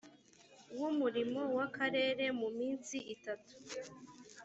w umurimo w akarere mu minsi itatu